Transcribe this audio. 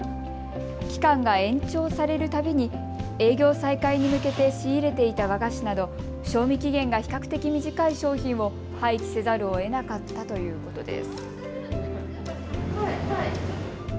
期間が延長されるたびに営業再開に向けて仕入れていた和菓子など賞味期限が比較的短い商品を廃棄せざるをえなかったということです。